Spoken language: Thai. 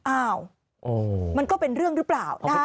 อ้าวมันก็เป็นเรื่องหรือเปล่า